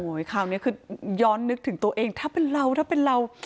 โอ้โหคราวนี้คือย้อนนึกถึงตัวเองถ้าเป็นเรา